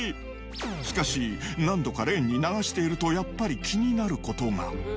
しかし、何度かレーンに流しているとやっぱり気になることが。